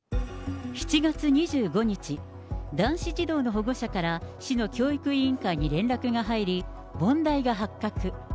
７月２５日、男子児童の保護者から市の教育委員会に連絡が入り、問題が発覚。